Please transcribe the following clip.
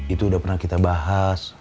itu udah pernah kita bahas